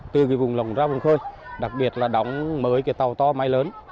từ vùng lồng ra vùng khơi đặc biệt là đóng mới tàu to mai lớn